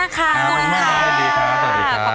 ขอบคุณมากสวัสดีค่ะ